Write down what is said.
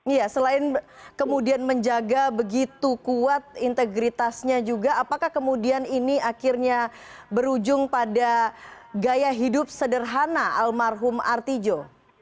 iya selain kemudian menjaga begitu kuat integritasnya juga apakah kemudian ini akhirnya berujung pada gaya hidup sederhana almarhum artijo